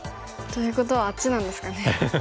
ということはあっちなんですかね。